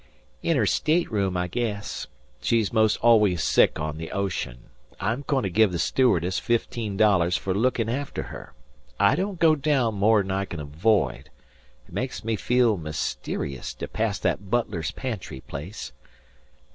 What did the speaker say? "In her state room, I guess. She's 'most always sick on the ocean. I'm going to give the stewardess fifteen dollars for looking after her. I don't go down more 'n I can avoid. It makes me feel mysterious to pass that butler's pantry place.